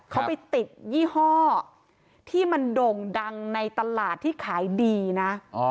เขาไปติดยี่ห้อที่มันโด่งดังในตลาดที่ขายดีนะ